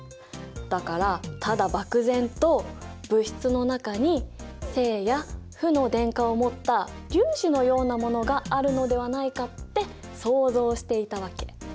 だからただ漠然と物質の中に正や負の電荷を持った粒子のようなものがあるのではないかって想像していたわけ。